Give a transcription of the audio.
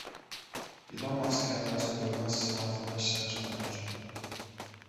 Ilon Mask kamerasi ko‘rinmas smartfon ishlab chiqarmoqchi